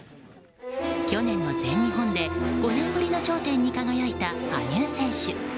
去年の全日本で５年ぶりの頂点に輝いた羽生選手。